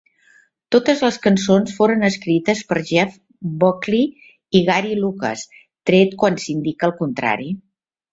Totes les cançons foren escrites per Jeff Buckley i Gary Lucas, tret quan s'indica el contrari.